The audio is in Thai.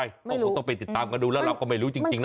ก็คงต้องไปติดตามกันดูแล้วเราก็ไม่รู้จริงนะ